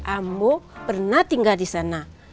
ambo pernah tinggal disana